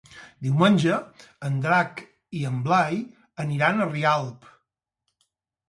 Diumenge en Drac i en Blai aniran a Rialp.